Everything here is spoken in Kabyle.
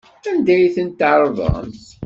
Anda ay tent-tɛerḍemt?